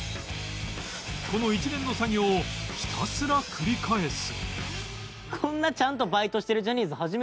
この一連の作業をひたすら繰り返すホンマやな。